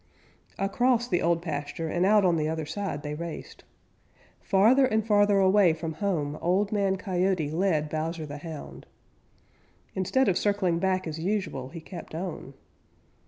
Across the Old Pasture and out on the other side they raced. Farther and farther away from home Old Man Coyote led Bowser the Hound. Instead of circling back as usual, he kept on.